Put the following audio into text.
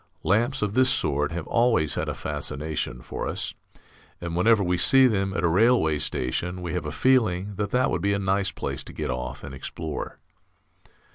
Lamps of this sort have always had a fascination for us, and whenever we see them at a railway station we have a feeling that that would be a nice place to get off and explore.